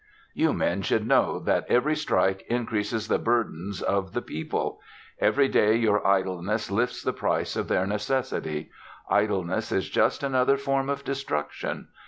"You men should know that every strike increases the burdens of the people. Every day your idleness lifts the price of their necessities. Idleness is just another form of destruction.